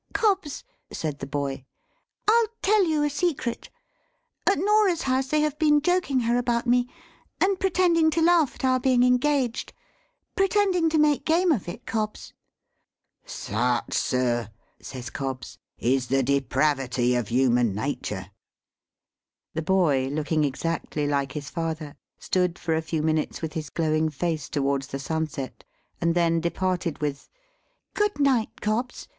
"Cobbs," said the boy, "I'll tell you a secret. At Norah's house, they have been joking her about me, and pretending to laugh at our being engaged, pretending to make game of it, Cobbs!" "Such, sir," says Cobbs, "is the depravity of human natur." The boy, looking exactly like his father, stood for a few minutes with his glowing face towards the sunset, and then departed with, "Good night, Cobbs.